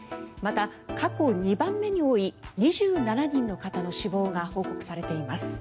また、過去２番目に多い２７人の方の死亡が報告されています。